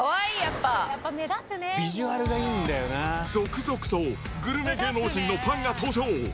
続々とグルメ芸能人のパンが登場。